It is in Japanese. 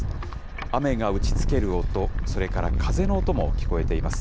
雨が打ちつける音、それから風の音も聞こえています。